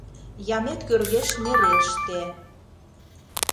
Ямет кӧргеш нереште.